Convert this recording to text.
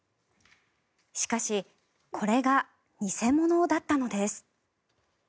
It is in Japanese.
しかしこれが偽物だったのです。